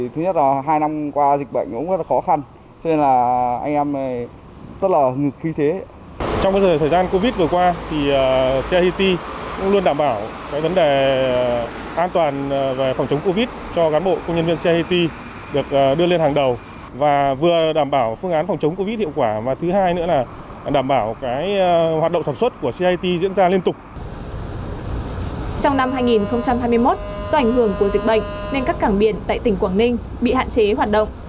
trong năm hai nghìn hai mươi một do ảnh hưởng của dịch bệnh nên các cảng biển tại tỉnh quảng ninh bị hạn chế hoạt động